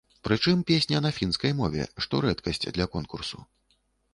Прычым песня на фінскай мове, што рэдкасць для конкурсу.